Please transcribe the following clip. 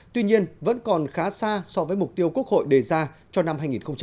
tuy nhiên vẫn còn khá xa so với mục tiêu quốc hội đề ra cho năm hai nghìn hai mươi